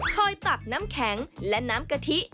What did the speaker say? ตักน้ำแข็งและน้ำกะทิ